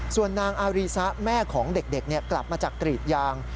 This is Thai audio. ส่วนนางอารีซะแม่ของเด็กกลับมาจากกรีดยาง